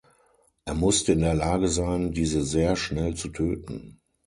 Er musste in der Lage sein, diese sehr schnell zu töten.